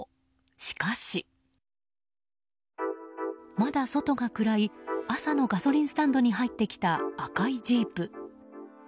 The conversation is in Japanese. まだ外が暗い朝のガソリンスタンドに入ってきた赤いジープ。